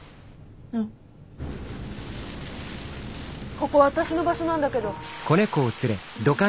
ここ私の場所なんだけど。